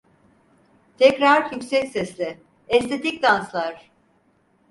Tekrar yüksek sesle: "Estetik danslar…"